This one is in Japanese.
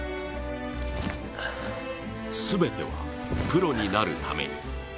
全てはプロになるために。